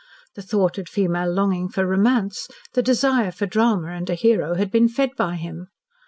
The thwarted female longing for romance the desire for drama and a hero had been fed by him.